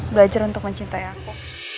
belajar untuk mencintai aku